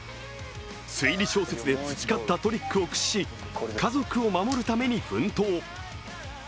推理小説で培ったトリックを駆使し家族を守るために奮闘。